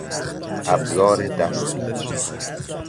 ابزار دستی